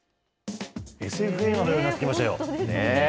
ＳＦ映画のようになってきましたよ。